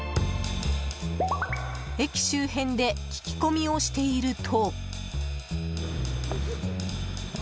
駅周辺で聞き込みをしていると。